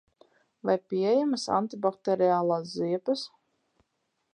Vai pieejamas antibakteriālās ziepes?